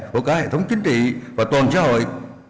của cả hệ thống chính trị và toàn xã hội